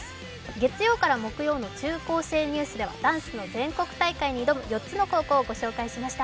月曜から木曜の「中高生ニュース」ではダンスの全国大会に挑む４つの高校をご紹介しました。